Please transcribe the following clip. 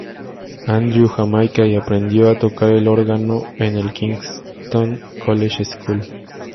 Andrew, Jamaica, y aprendió a tocar el órgano en el Kingston College School.